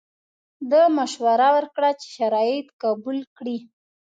ده مشوره ورکړه چې شرایط قبول کړي.